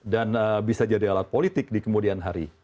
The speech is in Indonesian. dan bisa jadi alat politik di kemudian hari